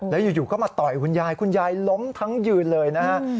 แล้วอยู่ก็มาต่อยคุณยายคุณยายล้มทั้งยืนเลยนะฮะ